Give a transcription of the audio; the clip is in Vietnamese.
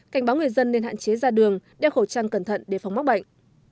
cảnh báo người dân nên hạn chế ra đường đeo khẩu trang cẩn thận để phóng mắc bệnh